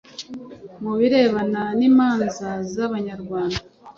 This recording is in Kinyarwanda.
Mu birebana n’imanza zabanyarwanda